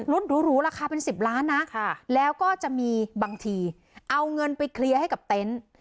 รถหรูราคาเป็น๑๐ล้านนะแล้วก็จะมีบางทีเอาเงินไปเคลียร์ให้กับเต็นต์